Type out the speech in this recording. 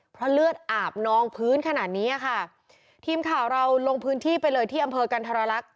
เพราะเลือดอาบนองพื้นขนาดนี้อ่ะค่ะทีมข่าวเราลงพื้นที่ไปเลยที่อำเภอกันธรรค